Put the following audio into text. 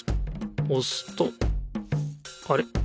おすとあれ？